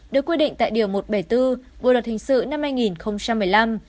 được quy định tại điều một trăm bảy mươi bốn bộ luật hình sự năm hai nghìn một mươi năm